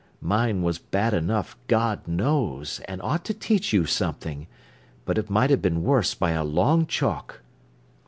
Mine was bad enough, God knows, and ought to teach you something; but it might have been worse by a long chalk."